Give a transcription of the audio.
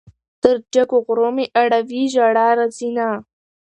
تر جګو غرو مې اړوي ژړا راځينه